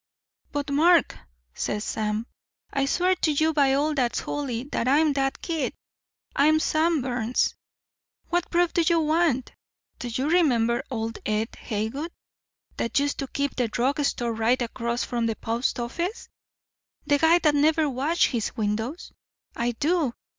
"'But, Mark,' says Sam, 'I swear to you by all that's holy that I'm that kid I'm Sam Burns. What proof do you want? Do you remember old Ed Haywood that used to keep the drug store right across from the post office? The guy that never washed his windows? I do.